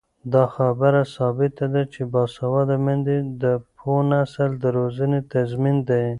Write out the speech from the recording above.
دا خبره ثابته ده چې باسواده میندې د پوه نسل د روزنې تضمین دي.